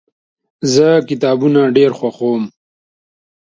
زه کتابونه ډیر خوښوم.